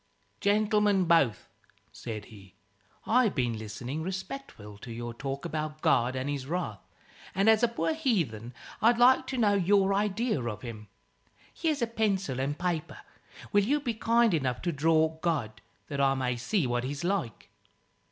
"Gentlemen both," said he, "I've been listening respectful to your talk about God and his wrath, and as a poor heathen I'd like to know your idea of him. Here's a pencil and paper. Will you be kind enough to draw God? that I may see what he's like."